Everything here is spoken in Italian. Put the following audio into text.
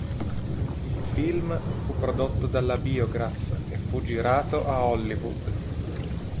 Il film fu prodotto dalla Biograph e fu girato a Hollywood.